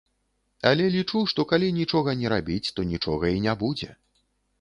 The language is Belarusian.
Але лічу, што калі нічога не рабіць, то нічога і не будзе.